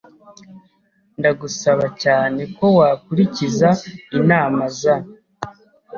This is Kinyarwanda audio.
Ndagusaba cyane ko wakurikiza inama za